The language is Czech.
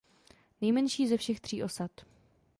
Nejmenší ze všech tří osad.